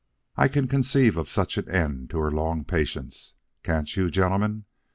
I can conceive such an end to her long patience, can't you, gentlemen?